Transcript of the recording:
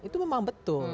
itu memang betul